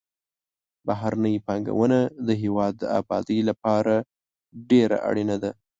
بهرنۍ پانګونه د هېواد د آبادۍ لپاره ډېره اړینه ده.